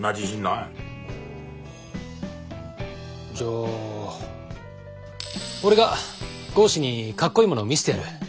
おじゃあ俺が剛士にかっこいいものを見せてやる。